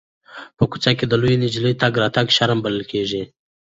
په کوڅه کې د لویې نجلۍ تګ راتګ شرم بلل کېږي.